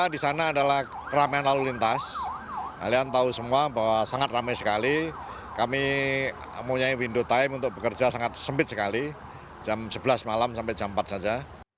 di sana adalah keramaian lalu lintas kalian tahu semua bahwa sangat ramai sekali kami punya window time untuk bekerja sangat sempit sekali jam sebelas malam sampai jam empat saja